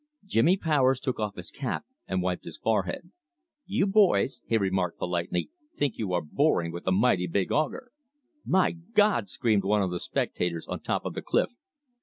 Jimmy Powers took off his cap and wiped his forehead. "You boys," he remarked politely, "think you are boring with a mighty big auger." "My God!" screamed one of the spectators on top of the cliff.